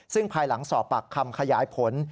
ซึ่งภายหลังสอบปากคำขยายผล